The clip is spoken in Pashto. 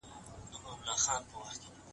فیلو خپل ځان معرفي کوي.